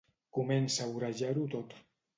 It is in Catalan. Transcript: Comença a vorejar-ho tot.